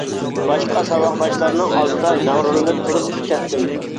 باشقا ساۋاقداشلارنىڭ ئالدىدا مەغرۇرلىنىپ تۇرۇپ كېتەتتىم.